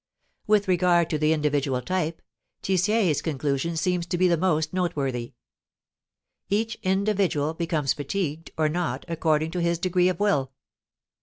With regard to the individual type, Tissié's conclusion seems to be the most noteworthy: "Each individual becomes fatigued or not according to his degree of will."